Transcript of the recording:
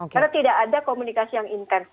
karena tidak ada komunikasi yang intens